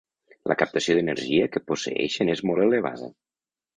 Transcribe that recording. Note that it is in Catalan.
La captació d'energia que posseeixen és molt elevada.